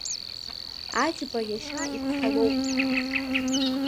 Аџьба иашьа иԥҳа лоуп.